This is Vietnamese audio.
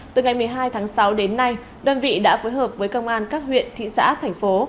từ ngày một mươi hai tháng sáu đến nay đơn vị đã phối hợp với công an các huyện thị xã thành phố